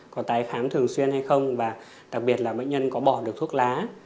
có tái khám thường xuyên hay không và đặc biệt là bệnh nhân có bỏ được thuốc lá